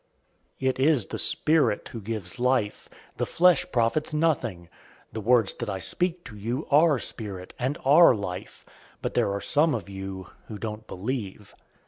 006:063 It is the spirit who gives life. The flesh profits nothing. The words that I speak to you are spirit, and are life. 006:064 But there are some of you who don't believe."